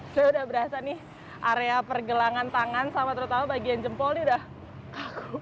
saya udah berasa nih area pergelangan tangan sama terutama bagian jempol ini udah